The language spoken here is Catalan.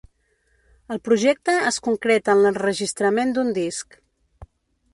El projecte es concreta en l’enregistrament d’un disc.